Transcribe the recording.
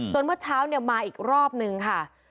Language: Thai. เมื่อเช้ามาอีกรอบนึงค่ะ